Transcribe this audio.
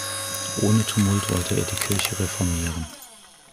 Ohne Tumult wollte er die Kirche reformieren.